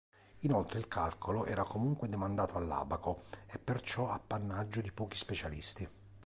Inoltre il calcolo era comunque demandato all'abaco e perciò appannaggio di pochi specialisti.